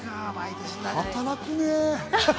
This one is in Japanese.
働くね。